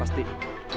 gak ada siapa